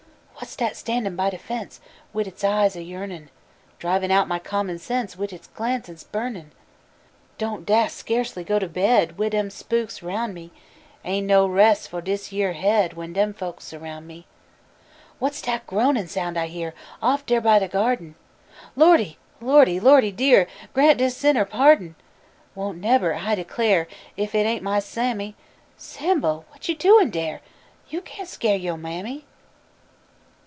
Whass dat standin' by de fence Wid its eyes a yearnin', Drivin' out mah common sense Wid its glances burnin'? Don't dass skeercely go to bed Wid dem spookses roun' me. Ain't no res' fo' dis yere head When dem folks surroun' me. Whass dat groanin' soun' I hear Off dar by de gyardin? Lordy! Lordy! Lordy dear, Grant dis sinner pardon! I won't nebber I declar' Ef it ain't my Sammy! Sambo, what yo' doin' dar? Yo' can't skeer yo' mammy!